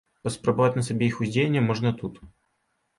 Паспрабаваць на сабе іх уздзеянне можна тут.